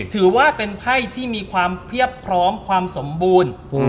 ถือว่าเป็นไพ่ที่มีความเพียบพร้อมความสมบูรณ์